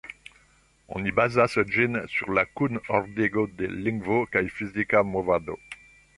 Oni bazas ĝin sur la kunordigo de lingvo kaj fizika movado.